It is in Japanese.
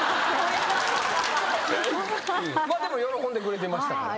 でも喜んでくれてましたから。